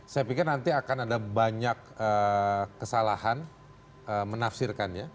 saya pikir nanti akan ada banyak kesalahan menafsirkannya